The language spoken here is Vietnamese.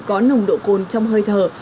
có nồng độ cồn trong hơi thở